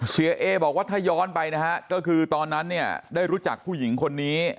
เอบอกว่าถ้าย้อนไปนะฮะก็คือตอนนั้นเนี่ยได้รู้จักผู้หญิงคนนี้